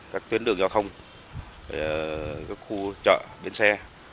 các tuyến đường giao thông các khu chợ biến xe